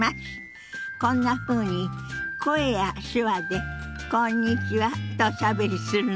こんなふうに声や手話で「こんにちは」とおしゃべりするの。